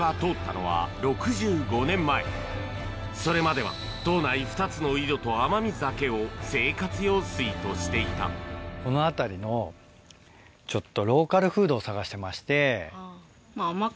それまでは島内２つの井戸と雨水だけを生活用水としていたこの辺りのちょっと。